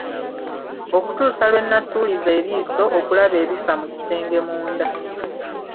Okutuusa lwe nasuuliza eriiso okulaba ebifa mu kisenge munda.